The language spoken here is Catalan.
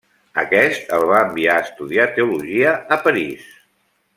Aquest el va enviar a estudiar teologia a París.